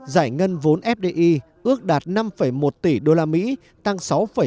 giải ngân vốn fdi ước đạt năm một tỷ usd tăng sáu bảy